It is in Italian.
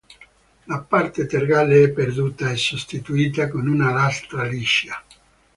La parte tergale è perduta e sostituita con una lastra liscia.